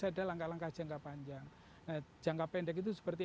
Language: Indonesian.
ada langkah langkah jangka panjang nah jangka pendek itu seperti